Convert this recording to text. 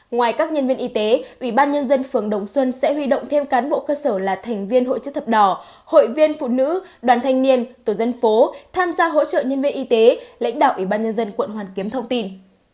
ngoài các nhân viên y tế ủy ban nhân dân phường đồng xuân sẽ huy động thêm cán bộ cơ sở là thành viên hội chức thập đỏ hội viên phụ nữ đoàn thanh niên tổ dân phố tham gia hỗ trợ nhân viên y tế lãnh đạo ủy ban nhân dân quận hoàn kiếm thông tin